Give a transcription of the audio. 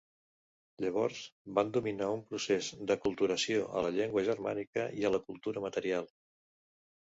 Llavors, van dominar un procés d'aculturació a la llengua germànica i a la cultura material.